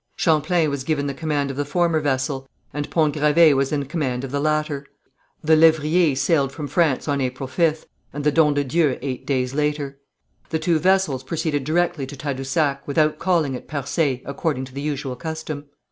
Champlain was given the command of the former vessel, and Pont Gravé was in command of the latter. The Lévrier sailed from France on April 5th, and the Don de Dieu eight days later. The two vessels proceeded directly to Tadousac, without calling at Percé, according to the usual custom.